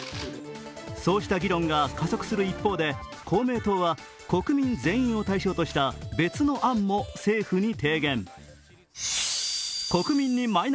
そうした議論が加速する一方で公明党は国民全員を対象とした別の案も政府に提言。